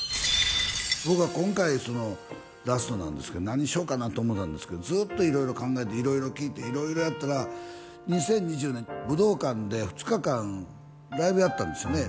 僕は今回ラストなんですけど何しようかなと思ったんですけどずっと色々考えて色々聞いて色々やったら２０２０年武道館で２日間ライブやったんですよね